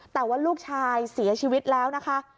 แต่ว่าลูกชายเสียชีวิตแล้วนะคะ